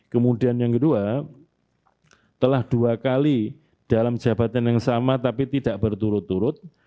kemudian yang kedua telah dua kali dalam jabatan yang sama tapi tidak berturut turut